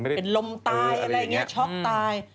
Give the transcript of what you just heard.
เป็นลมตายอะไรอย่างนี้ช็อกตาย